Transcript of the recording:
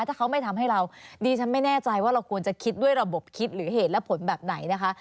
ถ้าเขาไม่ทำให้เราดีฉันไม่แน่ใจว่าเราควรจะคิดด้วยระบบคิดหรือเหตุและผลแบบไหนนะคะ